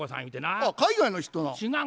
あっ海外の人なん。